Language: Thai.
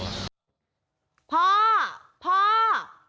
พ่อพ่อน้องเฟรมไปตะโกนหน้าบ้านแบบนี้ค่ะ